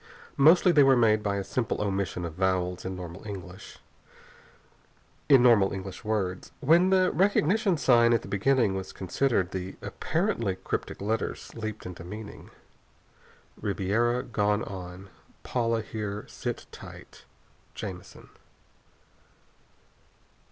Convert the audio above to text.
Mostly they are made by a simple omission of vowels in normal English words. And when the recognition sign at the beginning was considered, the apparently cryptic letters leaped into meaning. "RiBeRA GoNe ON PauLA HeRe SiT TiGhT Jamison."